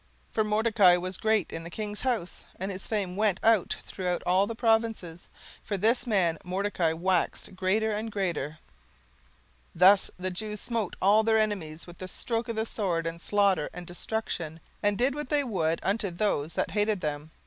17:009:004 For Mordecai was great in the king's house, and his fame went out throughout all the provinces: for this man Mordecai waxed greater and greater. 17:009:005 Thus the Jews smote all their enemies with the stroke of the sword, and slaughter, and destruction, and did what they would unto those that hated them.